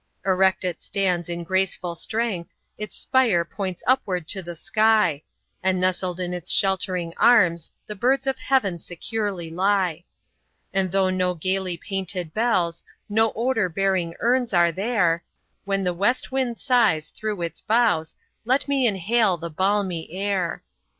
Erect it stands in graceful strength; Its spire points upward to the sky; And nestled in its sheltering arms The birds of heaven securely lie. And though no gaily painted bells, Nor odor bearing urns, are there, When the west wind sighs through its boughs, Let me inhale the balmy air!